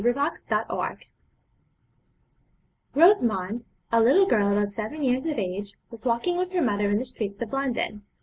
_ MARIA EDGEWORTH Rosamond, a little girl about seven years of age, was walking with her mother in the streets of London.